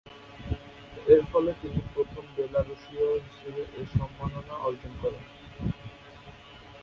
এরফলে তিনি প্রথম বেলারুশীয় হিসেবে এ সম্মাননা অর্জন করেন।